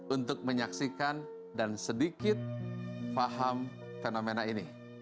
untuk menyaksikan dan sedikit faham fenomena ini